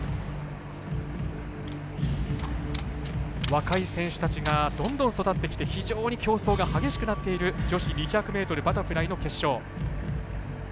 若い選手たちがどんどん育ってきて非常に競争が激しくなっている女子２００ｍバタフライの決勝。